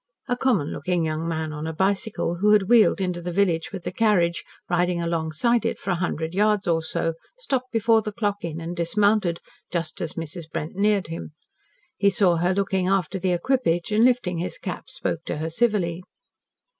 A common looking young man on a bicycle, who had wheeled into the village with the carriage, riding alongside it for a hundred yards or so, stopped before the Clock Inn and dismounted, just as Mrs. Brent neared him. He saw her looking after the equipage, and lifting his cap spoke to her civilly.